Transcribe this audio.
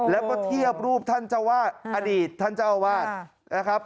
แล้วก็เทียบรูปท่านเจ้าวาดอดีตท่านเจ้าอาวาสนะครับ